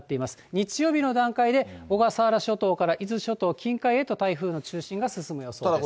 日曜日の段階で、小笠原諸島から伊豆諸島近海へと台風の中心が進む予想です。